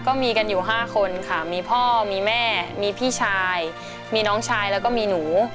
ก็มีกันอยู่๕คนค่ะมีพ่อมีแม่มีพี่ชายมีน้องชายแล้วก็มีหนู